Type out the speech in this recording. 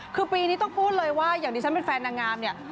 คือปีนี้ต้องพูดเลยว่าอย่างที่ฉันเป็นแฟนนางงามเนี่ย